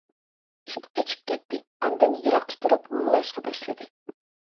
ئىت قېچىپ كەتتى، ئاندىن يىراقتا تۇرۇپ ھۇۋلاشقا باشلىدى.